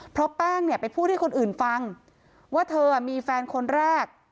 เพราะแป้งเนี่ยไปพูดให้คนอื่นฟังว่าเธอมีแฟนคนแรก